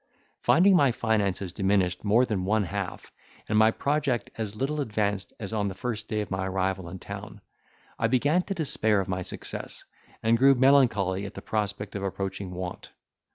Finding my finances diminished more than one half, and my project as little advanced as on the first day of my arrival in town, I began to despair of my success, and grew melancholy at the prospect of approaching want.